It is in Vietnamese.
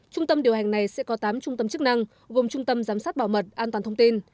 trung tâm điều hành này sẽ có tám trung tâm chức năng gồm trung tâm giám sát bảo mật an toàn thông tin